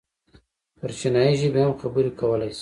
پر چينايي ژبې هم خبرې کولی شي.